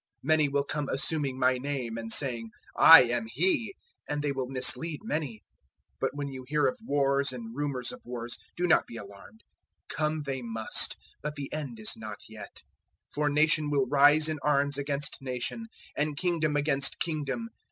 013:006 Many will come assuming my name and saying, 'I am He;' and they will mislead many. 013:007 But when you hear of wars and rumours of wars, do not be alarmed: come they must, but the End is not yet. 013:008 For nation will rise in arms against nation, and kingdom against kingdom.